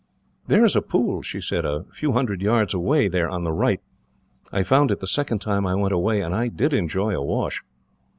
"There is a pool," she said, "a few hundred yards away there, on the right. I found it the second time I went away, and I did enjoy a wash."